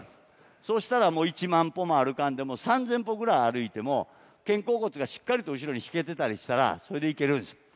そうしたらもう１万歩も歩かんでも、３０００歩ぐらい歩いても、肩甲骨がしっかりと後ろにひけてたりしたら、それでいけるんです。